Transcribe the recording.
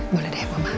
boleh deh mama